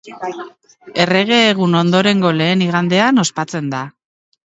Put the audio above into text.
Errege Egun ondorengo lehen igandean ospatzen da.